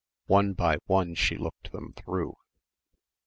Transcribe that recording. One by one she looked them through.